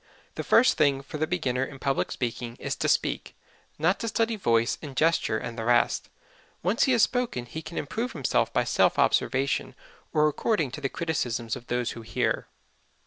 The first thing for the beginner in public speaking is to speak not to study voice and gesture and the rest. Once he has spoken he can improve himself by self observation or according to the criticisms of those who hear.